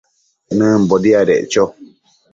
nëmbo diadeccho